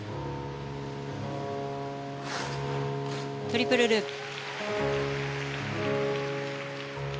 トリプルループ。